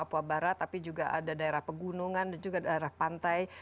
papua barat tapi juga ada daerah pegunungan dan juga daerah pantai